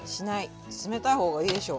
冷たい方がいいでしょ。